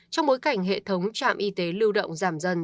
trong bối cảnh hệ thống trạm y tế lưu động giảm dần